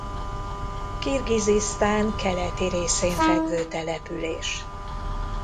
Kirgizisztán keleti részén fekvő település.